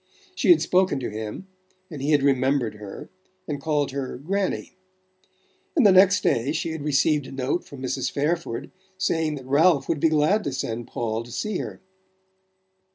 She had spoken to him, and he had remembered her and called her "Granny"; and the next day she had received a note from Mrs. Fairford saying that Ralph would be glad to send Paul to see her.